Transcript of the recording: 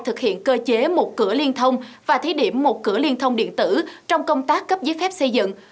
thực hiện cơ chế một cửa liên thông và thí điểm một cửa liên thông điện tử trong công tác cấp giấy phép xây dựng